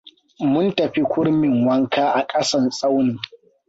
Mun tafi kurmin wanka a ƙasan tsaunin.